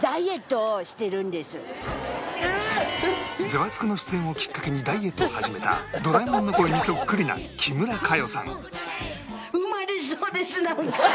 『ザワつく！』の出演をきっかけにダイエットを始めたドラえもんの声にそっくりな木村佳代さん